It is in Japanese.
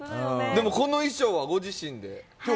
でも、この衣装はご自身で？